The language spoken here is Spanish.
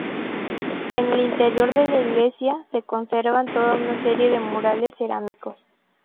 En el interior de la Iglesia se conservan toda una serie de murales cerámicos.